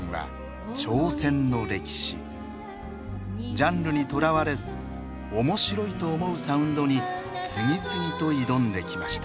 ジャンルにとらわれずおもしろいと思うサウンドに次々と挑んできました。